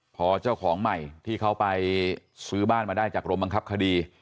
พอเจ้าของใหม่ที่เขาไปซื้อบ้านมาได้จากกรมบังคับคดี